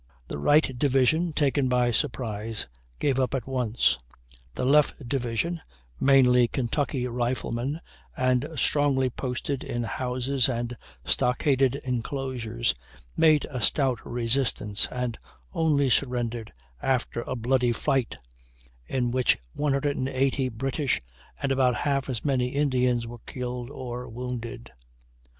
The right division, taken by surprise, gave up at once; the left division, mainly Kentucky riflemen, and strongly posted in houses and stockaded enclosures, made a stout resistance, and only surrendered after a bloody fight, in which 180 British and about half as many Indians were killed or wounded.